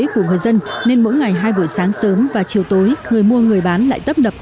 của người dân nên mỗi ngày hai buổi sáng sớm và chiều tối người mua người bán lại tấp nập